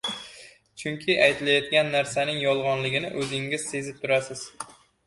chunki aytilayotgan narsaning yolgonligini o‘zingiz sezib turasiz.